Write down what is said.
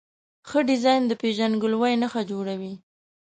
ښه ډیزاین د پېژندګلوۍ نښه جوړوي.